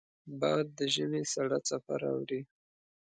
باد د ژمې سړه څپه راوړي